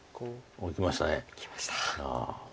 おっいきました。